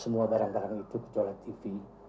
semua barang barang itu kecuali tv